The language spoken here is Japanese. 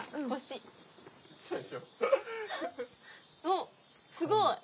おっすごい！